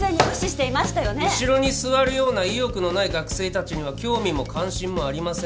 後ろに座るような意欲のない学生たちには興味も関心もありません。